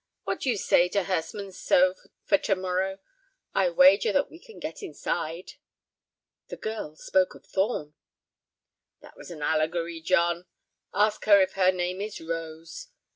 What do you say to Hurstmonceux for to morrow. I wager that we can get inside." "The girl spoke of Thorn." "That was an allegory, John; ask her if her name is Rose.